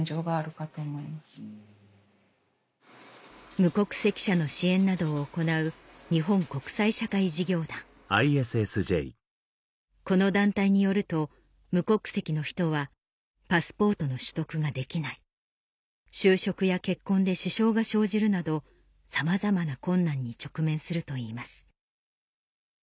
無国籍者の支援などを行うこの団体によると無国籍の人はパスポートの取得ができない就職や結婚で支障が生じるなどさまざまな困難に直面するといいます